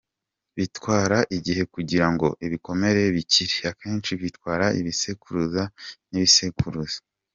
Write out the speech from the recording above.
Bitwara igihe kugira ngo ibikomere bikire, akenshi bitwara ibisekuruza n’ibisekuruza.